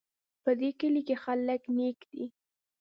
په دې کلي کې خلک نیک دي